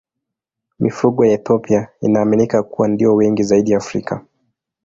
Mifugo ya Ethiopia inaaminika kuwa ndiyo wengi zaidi Afrika.